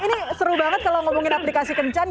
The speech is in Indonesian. ini seru banget kalau ngomongin aplikasi kencan